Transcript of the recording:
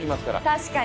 確かに。